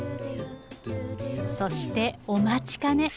そしてお待ちかね！